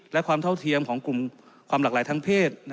และความเท่าเทียมของกลุ่มความหลากหลายทางเพศ